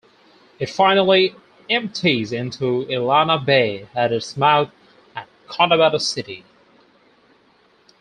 It finally empties into Illana Bay at its mouth at Cotabato City.